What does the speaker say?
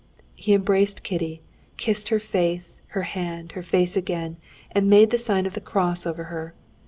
He embraced Kitty, kissed her face, her hand, her face again, and made the sign of the cross over her.